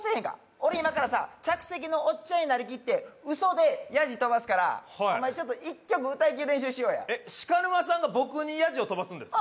俺今からさ客席のおっちゃんになりきって嘘で野次飛ばすからお前ちょっと一曲歌いきる練習しようやえシカヌマさんが僕に野次を飛ばすんですか？